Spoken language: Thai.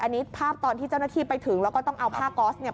อันนี้ภาพตอนที่เจ้าหน้าที่ไปถึงแล้วก็ต้องเอาผ้าก๊อสเนี่ย